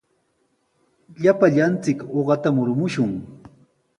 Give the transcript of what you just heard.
Llapallanchik uqata murumushun.